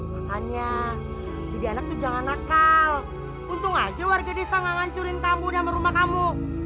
makanya jadi anak jangan nakal untung aja warga desa ngancurin kamu dan rumah kamu